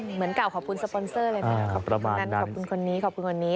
เหมือนกับขอบคุณสปอนเซอร์เลยนะขอบคุณคนนี้ขอบคุณคนนี้